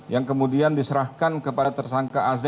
yang kemudian diserahkan kepada tersangka az